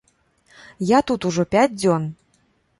Я тут ужо пяць дзён.